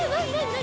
何？